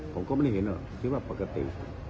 ผมก็ไม่ได้เห็นหรอกคิดว่าปกติ